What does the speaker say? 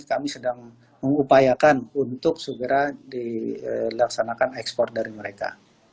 kami sedang mengupayakan untuk segera dilaksanakan ekspor dari mereka